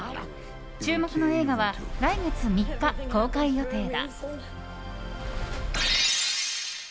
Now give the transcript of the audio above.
注目の映画は来月３日公開予定だ。